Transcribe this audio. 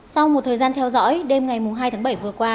sau một thời gian theo dõi đêm ngày hai tháng bảy vừa qua